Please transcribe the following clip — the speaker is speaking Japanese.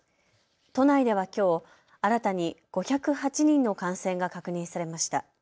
都内ではきょう、新たに５０８人の感染が確認されました。